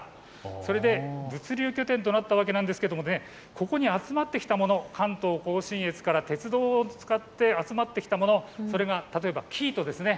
それで物流拠点となったわけなんですけれども、ここに集まってきたもの、関東甲信越から鉄道を使って集まってきたもの、それが例えば生糸ですね。